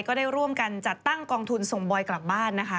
ก็ได้ร่วมกันจัดตั้งกองทุนส่งบอยกลับบ้านนะคะ